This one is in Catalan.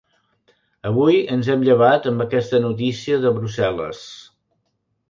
Avui ens hem llevat amb aquesta notícia de Brussel·les.